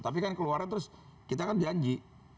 tapi kan keluarnya terus kita kan janji